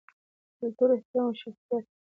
کلتور، احترام او شخصیت